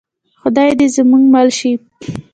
خدای دې زموږ مل شي